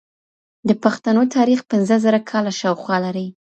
د پښتنو تاريخ پنځه زره کاله شاوخوا لري